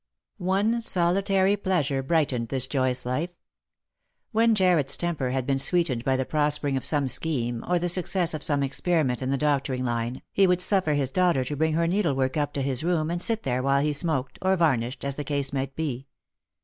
One solitary pleasure brightened this joyless life. When Jarred's temper had been sweetened by the prospering of some scheme, or the success of some experiment in the doctoring line, he would suffer his daughter to bring her needlework up to his room and sit there while he smoked, or varnished, as the case might be.